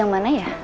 yang mana ya